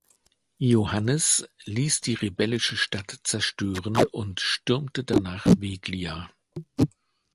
Iohannes ließ die rebellische Stadt zerstören und stürmte danach Veglia.